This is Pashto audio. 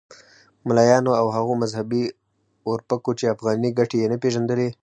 ملایانو او هغو مذهبي اورپکو چې افغاني ګټې یې نه پېژندلې.